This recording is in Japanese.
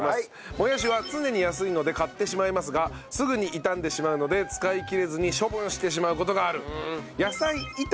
もやしは常に安いので買ってしまいますがすぐに傷んでしまうので使いきれずに処分してしまう事がある。